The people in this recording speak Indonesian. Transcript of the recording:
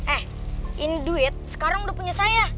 eh in duit sekarang udah punya saya